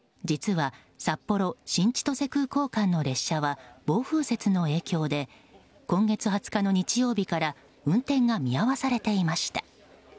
実は札幌新千歳空港間の列車は暴風雪の影響で今月２０日の日曜日から運転が見合わされていました。